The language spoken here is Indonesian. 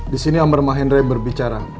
di sini amar mahendra berbicara